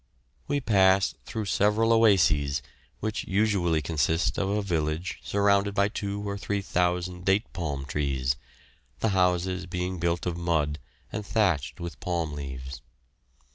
We passed through several oases, which usually consist of a village surrounded by two or three thousand date palm trees, the houses being built of mud and thatched with palm leaves.